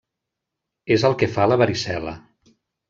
És el que fa la varicel·la.